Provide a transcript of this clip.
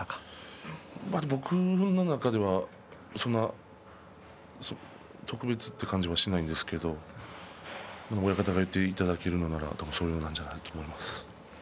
僕の中ではそんな特別という感じはしないんですけれど親方に言っていただけるのなら多分そういう感じなのかなと思います。